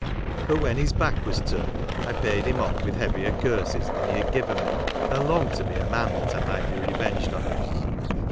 But when his back was turned I paid him off with heavier curses than he had given me, and longed to be a man that I might be revenged on him.